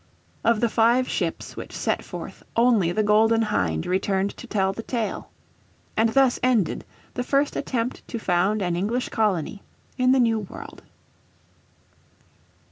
Of the five ships which set forth only the Golden Hind returned to tell the tale. And thus ended the first attempt to found an English colony in the New World.